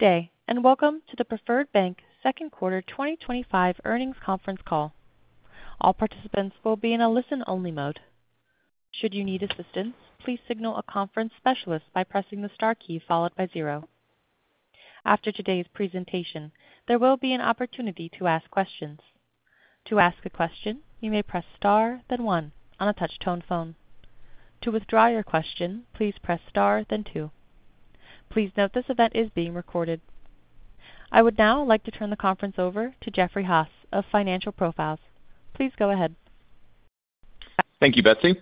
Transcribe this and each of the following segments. Today, and welcome to the Preferred Bank Second Quarter 2025 Earnings Conference Call. All participants will be in a listen-only mode. Should you need assistance, please signal a conference specialist by pressing the star key followed by zero. After today's presentation, there will be an opportunity to ask questions. To ask a question, you may press star, then one on a touch-tone phone. To withdraw your question, please press star, then two. Please note this event is being recorded. I would now like to turn the conference over to Jeffrey Haas of Financial Profiles. Please go ahead. Thank you, Betsy.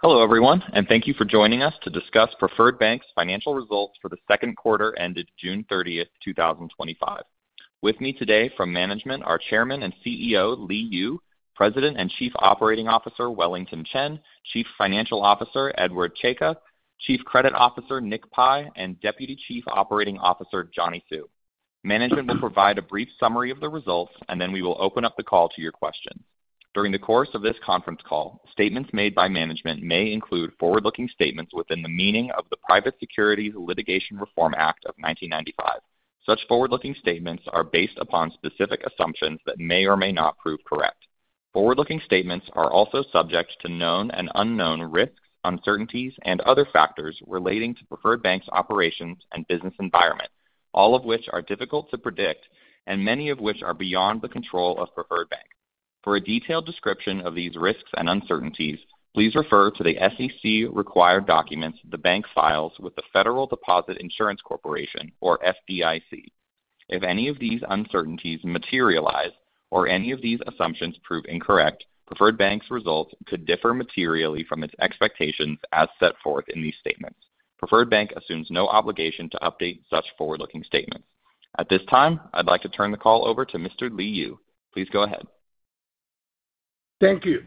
Hello, everyone, and thank you for joining us to discuss Preferred Bank's financial results for the second quarter ended June 30th, 2025. With me today from management are Chairman and CEO Li Yu, President and Chief Operating Officer Wellington Chen, Chief Financial Officer Edward Czajka, Chief Credit Officer Nick Pi, and Deputy Chief Operating Officer Johnny Hsu. Management may provide a brief summary of the results, and then we will open up the call to your questions. During the course of this conference call, statements made by management may include forward-looking statements within the meaning of the Private Securities Litigation Reform Act of 1995. Such forward-looking statements are based upon specific assumptions that may or may not prove correct. Forward-looking statements are also subject to known and unknown risks, uncertainties, and other factors relating to Preferred Bank's operations and business environment, all of which are difficult to predict and many of which are beyond the control of Preferred Bank. For a detailed description of these risks and uncertainties, please refer to the SEC-required documents the bank files with the Federal Deposit Insurance Corporation, or FDIC. If any of these uncertainties materialize or any of these assumptions prove incorrect, Preferred Bank's results could differ materially from its expectations as set forth in these statements. Preferred Bank assumes no obligation to update such forward-looking statements. At this time, I'd like to turn the call over to Mr. Li Yu. Please go ahead. Thank you.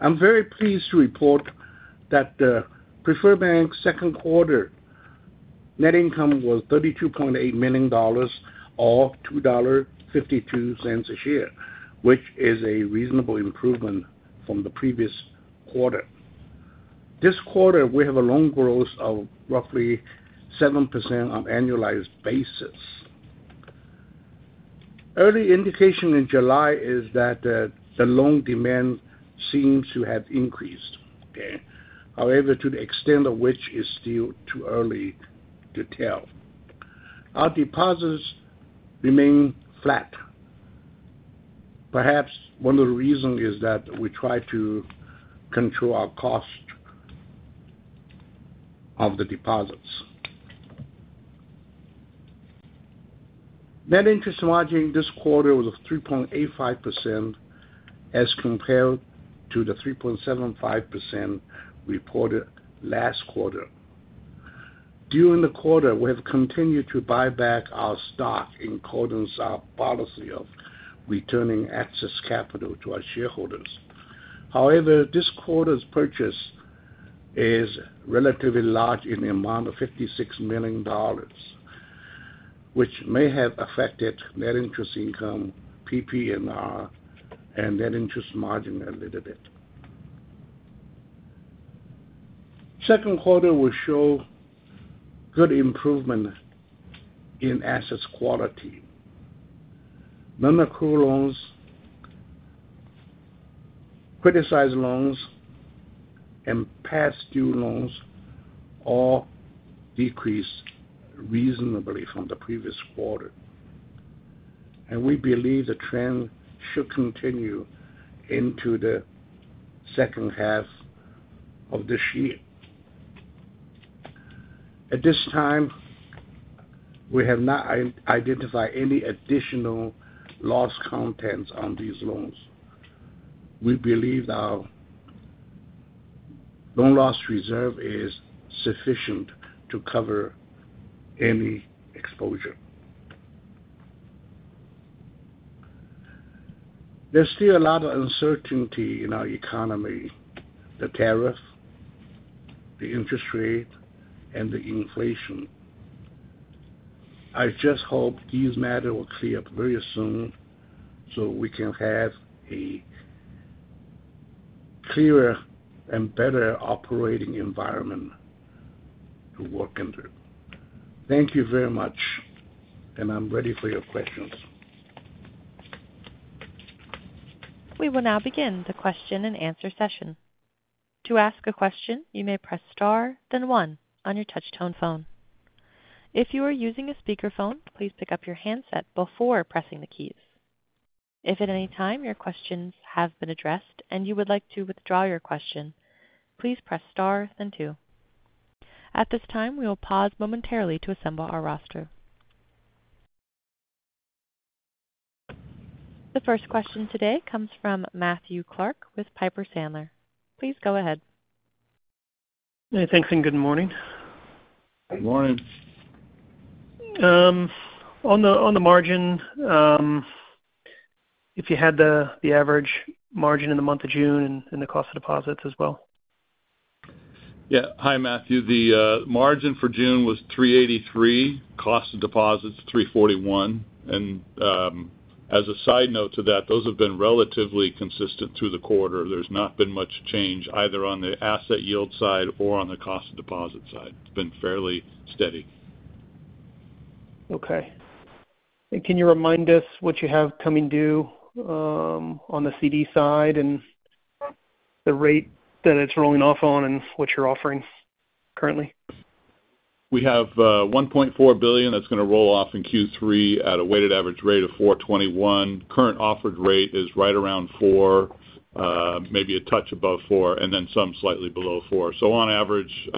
I'm very pleased to report that Preferred Bank's second quarter net income was $32.8 million or $2.52 a share, which is a reasonable improvement from the previous quarter. This quarter, we have a loan growth of roughly 7% on an annualized basis. Early indication in July is that the loan demand seems to have increased. However, to the extent of which is still too early to tell. Our deposits remain flat. Perhaps one of the reasons is that we try to control our cost of the deposits. Net interest margin this quarter was 3.85% as compared to the 3.75% reported last quarter. During the quarter, we have continued to buy back our stock in accordance with our policy of returning excess capital to our shareholders. However, this quarter's purchase is relatively large in the amount of $56 million, which may have affected net interest income, PP&R, and net interest margin a little bit. Second quarter will show good improvement in assets quality. Non-accrual loans, criticized loans, and past-due loans all decreased reasonably from the previous quarter. We believe the trend should continue into the second half of this year. At this time, we have not identified any additional loss contents on these loans. We believe our loan loss reserve is sufficient to cover any exposure. There's still a lot of uncertainty in our economy: the tariffs, the interest rates, and the inflation. I just hope these matters will clear up very soon so we can have a clearer and better operating environment to work under. Thank you very much, and I'm ready for your questions. We will now begin the question and answer session. To ask a question, you may press star, then one on your touch-tone phone. If you are using a speaker phone, please pick up your handset before pressing the keys. If at any time your questions have been addressed and you would like to withdraw your question, please press star, then two. At this time, we will pause momentarily to assemble our roster. The first question today comes from Matthew Clark with Piper Sandler. Please go ahead. Thanks, and good morning. Good morning. On the margin, if you had the average margin in the month of June and the cost of deposits as well. Yeah. Hi, Matthew. The margin for June was 3.83%, cost of deposits 3.41%. As a side note to that, those have been relatively consistent through the quarter. There's not been much change either on the asset yield side or on the cost of deposit side. It's been fairly steady. Okay. Can you remind us what you have coming due on the certificate of deposit side and the rate that it's rolling off on, and what you're offering currently? We have $1.4 billion that's going to roll off in Q3 at a weighted average rate of 4.21%. Current offered rate is right around 4%, maybe a touch above 4%, and then some slightly below 4%. On average,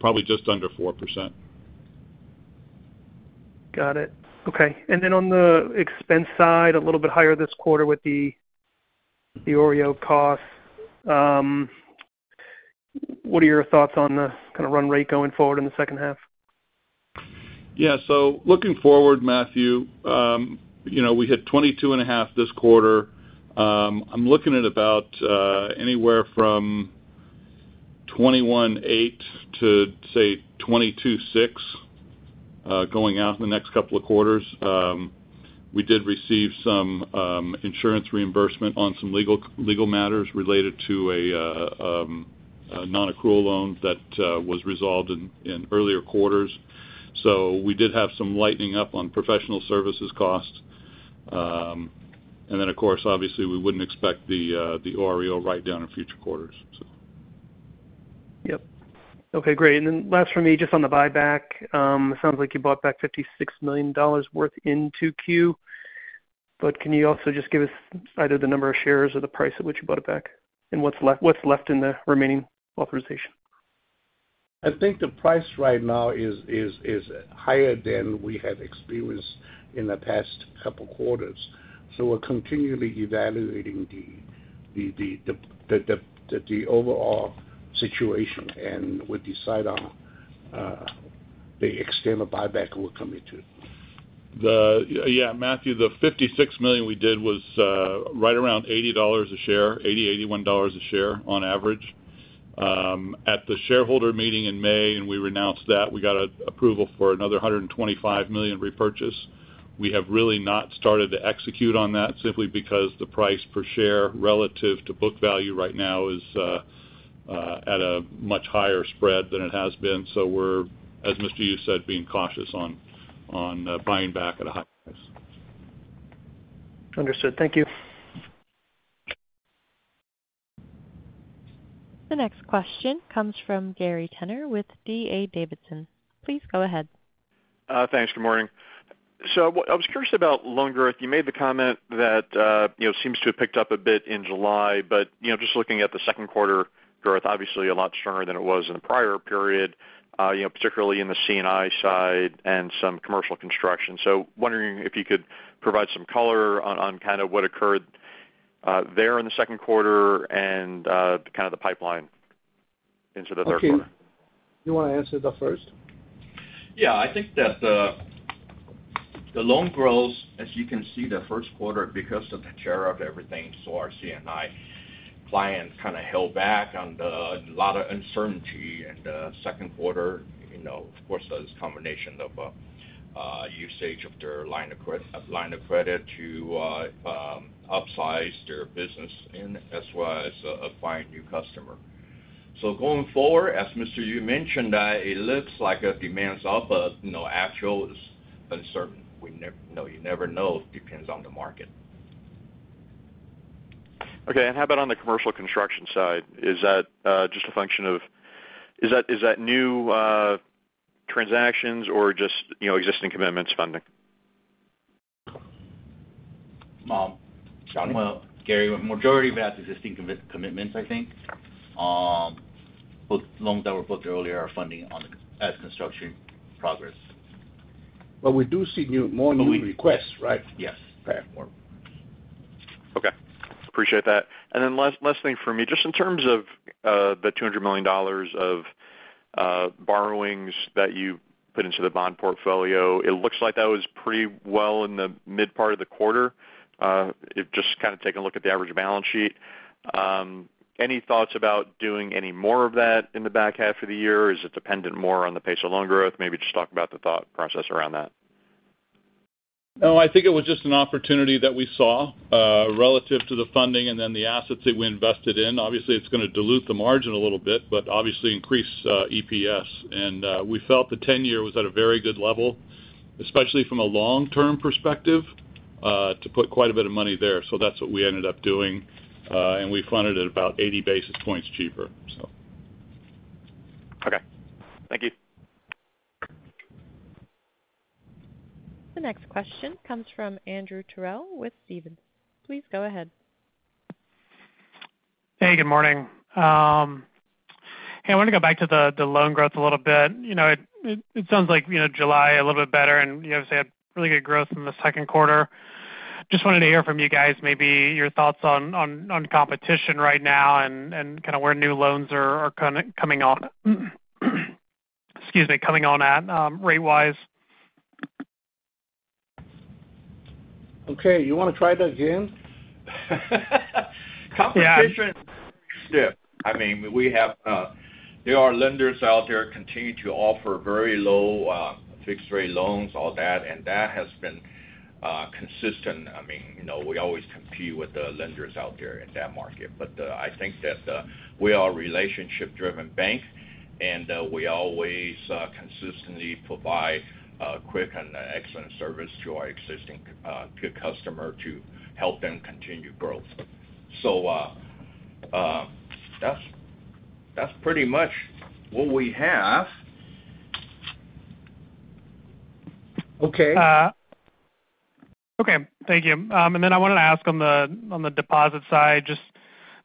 probably just under 4%. Got it. Okay. On the expense side, a little bit higher this quarter with the OREO cost. What are your thoughts on the kind of run rate going forward in the second half? Yeah. Looking forward, Matthew, you know we hit $22.5 million this quarter. I'm looking at about anywhere from $21.8 million to, say, $22.6 million going out in the next couple of quarters. We did receive some insurance reimbursement on some legal matters related to a non-accrual loan that was resolved in earlier quarters. We did have some lightening up on professional services costs. Of course, obviously, we wouldn't expect the OREO write-down in future quarters. Okay. Great. Last for me, just on the buyback, it sounds like you bought back $56 million worth in Q2. Can you also just give us either the number of shares or the price at which you bought it back and what's left in the remaining authorization? I think the price right now is higher than we have experienced in the past couple of quarters. We are continually evaluating the overall situation, and we decide on the extent of buyback we're committed. Yeah, Matthew, the $56 million we did was right around $80 a share, $80, $81 a share on average. At the shareholder meeting in May, and we announced that we got approval for another $125 million repurchase. We have really not started to execute on that simply because the price per share relative to book value right now is at a much higher spread than it has been. As Mr. Yu said, we're being cautious on buying back at a high price. Understood. Thank you. The next question comes from Gary Tenner with D.A. Davidson. Please go ahead. Thanks. Good morning. I was curious about loan growth. You made the comment that it seems to have picked up a bit in July, but just looking at the second quarter growth, obviously a lot stronger than it was in the prior period, particularly in the commercial & industrial side and some commercial construction. I am wondering if you could provide some color on what occurred there in the second quarter and the pipeline into the third quarter. Do you want to answer that first? Yeah. I think that the loan growth, as you can see, the first quarter, because of the churn of everything, our C&I clients kind of held back on a lot of uncertainty. In the second quarter, there's a combination of usage of their line of credit to upsize their business as well as acquiring new customers. Going forward, as Mr. Yu mentioned, it looks like the demand's up, but actual is uncertain. We never know. It depends on the market. Okay. How about on the commercial construction side? Is that just a function of new transactions or just existing commitments funding? Gary, a majority of that is existing commitments, I think. Loans that were built earlier are funding on the construction progress. We do see new loan requests, right? Yes. Okay. Appreciate that. Last thing for me, just in terms of the $200 million of borrowings that you put into the bond portfolio, it looks like that was pretty well in the mid part of the quarter. If just kind of taking a look at the average balance sheet, any thoughts about doing any more of that in the back half of the year? Is it dependent more on the pace of loan growth? Maybe just talk about the thought process around that. No, I think it was just an opportunity that we saw relative to the funding and then the assets that we invested in. Obviously, it's going to dilute the margin a little bit, but obviously increase EPS. We felt the 10-year was at a very good level, especially from a long-term perspective, to put quite a bit of money there. That's what we ended up doing. We funded it about 80 basis points cheaper. Okay, thank you. The next question comes from Andrew Terrell with Stephens. Please go ahead. Hey, good morning. I wanted to go back to the loan growth a little bit. It sounds like July a little bit better, and you obviously had really good growth in the second quarter. Just wanted to hear from you guys, maybe your thoughts on competition right now and kind of where new loans are coming on at rate-wise. Okay, you want to try that again? Yeah. We have lenders out there continuing to offer very low fixed-rate loans, all that. That has been consistent. We always compete with the lenders out there in that market. I think that we are a relationship-driven bank, and we always consistently provide a quick and excellent service to our existing customers to help them continue growth. That's pretty much what we have. Okay. Thank you. I wanted to ask on the deposit side, just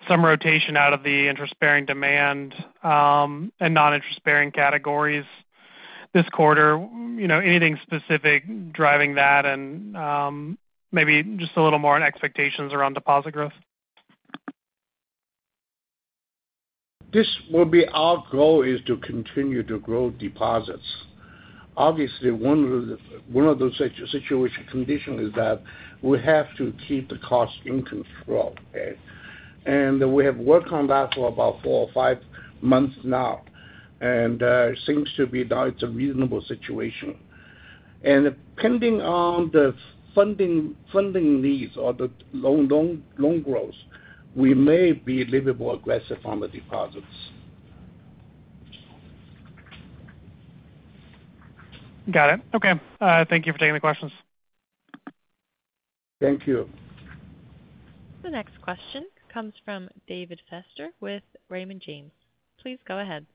some rotation out of the interest-bearing demand and non-interest-bearing categories this quarter. Is there anything specific driving that and maybe just a little more on expectations around deposit growth? Our goal is to continue to grow deposits. Obviously, one of the conditions is that we have to keep the cost in control. We have worked on that for about four or five months now, and it seems to be a reasonable situation. Depending on the funding needs or the loan growth, we may be a little bit more aggressive on the deposits. Got it. Okay, thank you for taking the questions. Thank you. The next question comes from David Feaster with Raymond James. Please go ahead.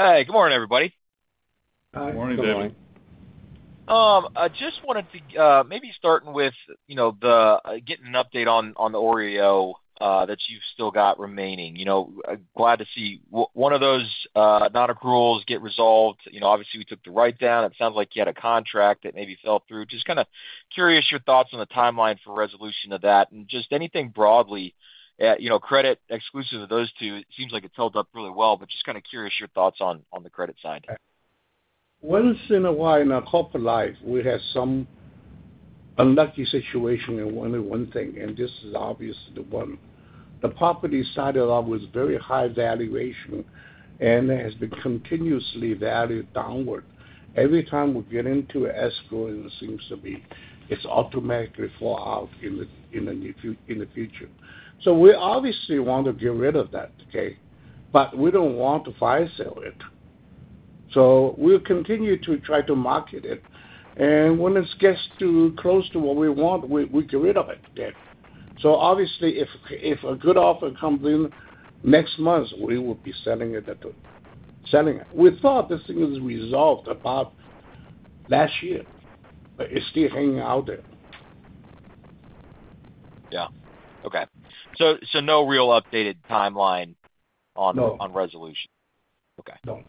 Hey, good morning, everybody. Morning, David. I just wanted to maybe start with, you know, getting an update on the OREO that you've still got remaining. Glad to see one of those non-accruals get resolved. Obviously, we took the write-down. It sounds like you had a contract that maybe fell through. Just kind of curious your thoughts on the timeline for resolution of that. Just anything broadly, you know, credit exclusive to those two, it seems like it's held up really well, just kind of curious your thoughts on the credit side. Okay. Once in a while in our corporate life, we had some unlucky situation in one thing, and this is obviously the one. The property side of that was very high valuation, and it has been continuously valued downward. Every time we get into an escrow, it seems to be it's automatically falling out in the future. We obviously want to get rid of that, okay? We don't want to fire sell it. We continue to try to market it, and when it gets too close to what we want, we get rid of it, okay? Obviously, if a good offer comes in next month, we will be selling it. We thought this thing was resolved about last year, but it's still hanging out there. Okay. So no real updated timeline on resolution? No.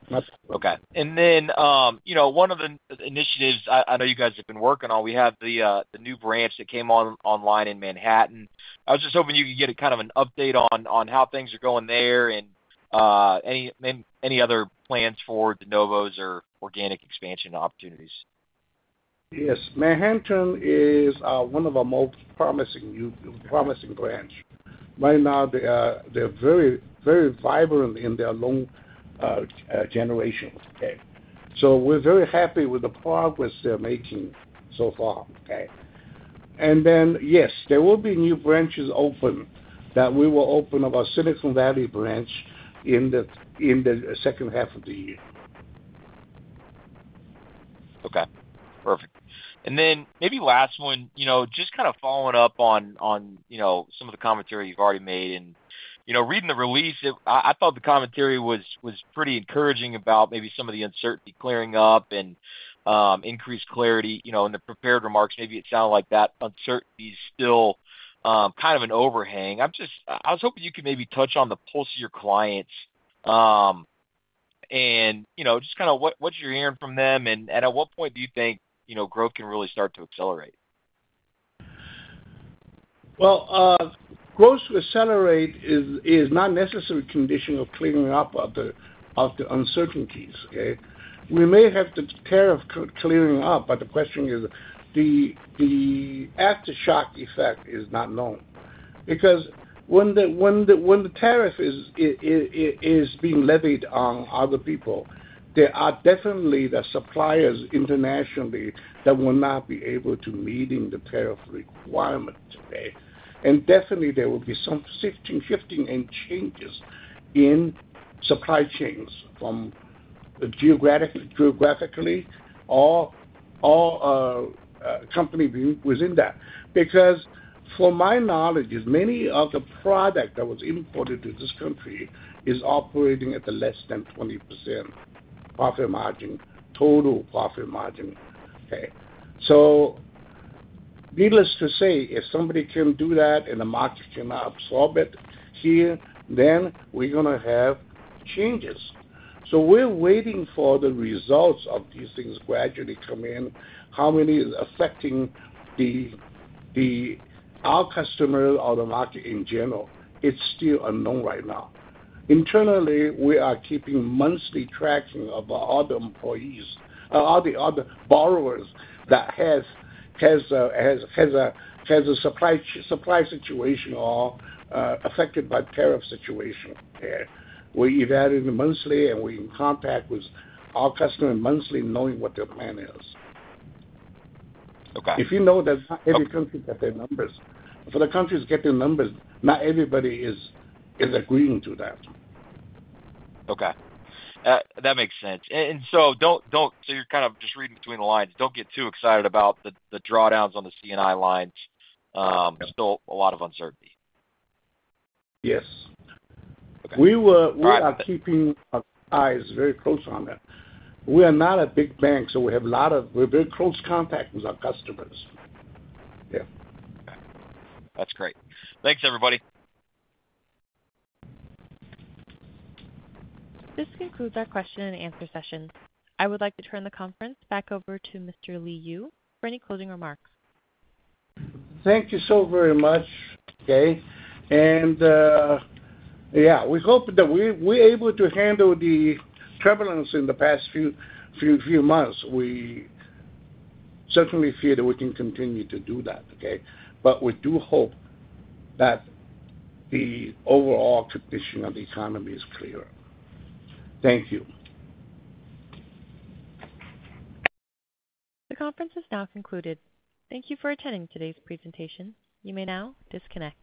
Okay. One of the initiatives I know you guys have been working on, we have the new branch that came online in Manhattan. I was just hoping you could get a kind of an update on how things are going there and any other plans for De Novo's organic expansion opportunities. Yes. Manhattan is one of our most promising branches. Right now, they're very, very vibrant in their loan generations, okay? We're very happy with the progress they're making so far, okay? Yes, there will be new branches open. We will open up our Silicon Valley branch in the second half of the year. Okay. Perfect. Maybe last one, just kind of following up on some of the commentary you've already made and reading the release, I thought the commentary was pretty encouraging about maybe some of the uncertainty clearing up and increased clarity in the prepared remarks. It sounded like that uncertainty is still kind of an overhang. I was hoping you could maybe touch on the pulse of your clients and just kind of what you're hearing from them and at what point do you think growth can really start to accelerate? Growth to accelerate is not a necessary condition of clearing up of the uncertainties, okay? We may have the tariff clearing up, but the question is the aftershock effect is not known. Because when the tariff is being levied on other people, there are definitely the suppliers internationally that will not be able to meet the tariff requirements, okay? There will definitely be some shifting and changes in supply chains from geographically or all companies within that. From my knowledge, many of the products that were imported to this country are operating at less than 20% profit margin, total profit margin, okay? Needless to say, if somebody can do that and the market cannot absorb it here, then we're going to have changes. We're waiting for the results of these things gradually come in. How many are affecting our customers or the market in general? It's still unknown right now. Internally, we are keeping monthly tracking of all the employees and all the other borrowers that have a supply situation or are affected by the tariff situation, okay? We evaluate it monthly, and we're in contact with our customers monthly, knowing what their plan is. If you know that not every country gets their numbers. For the countries getting numbers, not everybody is agreeing to that. Okay. That makes sense. You're kind of just reading between the lines. Don't get too excited about the drawdowns on the commercial & industrial lines. Still a lot of uncertainty. Yes. We are keeping our eyes very close on that. We are not a big bank, so we have a lot of, we're in very close contact with our customers. Yeah, that's great. Thanks, everybody. This concludes our question and answer session. I would like to turn the conference back over to Mr. Li Yu for any closing remarks. Thank you so very much, okay? We hope that we're able to handle the turbulence in the past few months. We certainly feel that we can continue to do that, okay? We do hope that the overall condition of the economy is clearer. Thank you. The conference is now concluded. Thank you for attending today's presentation. You may now disconnect.